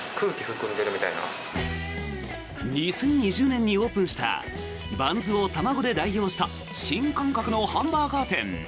２０２０年にオープンしたバンズを卵で代用した新感覚のハンバーガー店。